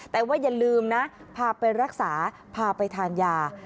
แต่ว่าอย่าลืมนะพาไปรักษาพาไปทานยา